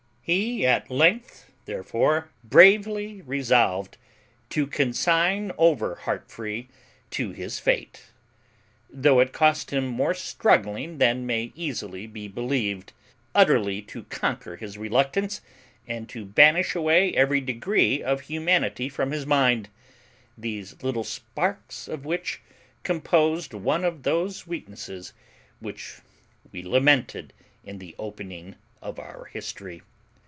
He at length, therefore, bravely resolved to consign over Heartfree to his fate, though it cost him more struggling than may easily be believed, utterly to conquer his reluctance, and to banish away every degree of humanity from his mind, these little sparks of which composed one of those weaknesses which we lamented in the opening of our history.